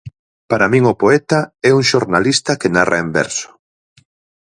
Para min o poeta é un xornalista que narra en verso.